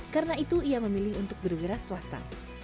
karena itu ia memilih untuk berwira swasta